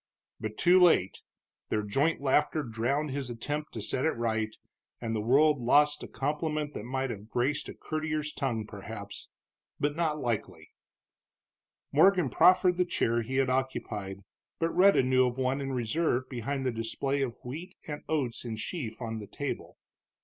But too late; their joint laughter drowned his attempt to set it right, and the world lost a compliment that might have graced a courtier's tongue, perhaps. But, not likely. Morgan proffered the chair he had occupied, but Rhetta knew of one in reserve behind the display of wheat and oats in sheaf on the table.